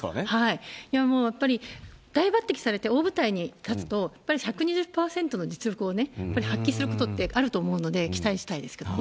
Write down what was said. いや、もうやっぱり大抜擢されて大舞台に立つと、やっぱり１２０％の実力をね、やっぱり発揮することってあると思うので、期待したいですけどね。